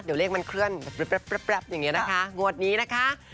เดี๋ยวเลขมันเคลื่อนแป๊บอย่างนี้นะคะงวดนี้นะคะ